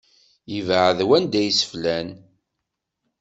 Ibɛed wanda i yas-flan!